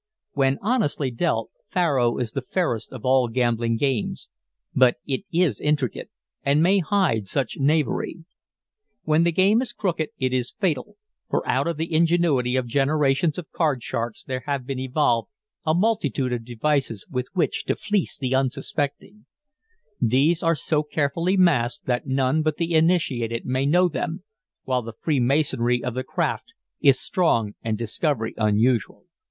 When honestly dealt, faro is the fairest of all gambling games, but it is intricate, and may hide much knavery. When the game is crooked, it is fatal, for out of the ingenuity of generations of card sharks there have been evolved a multitude of devices with which to fleece the unsuspecting. These are so carefully masked that none but the initiated may know them, while the freemasonry of the craft is strong and discovery unusual.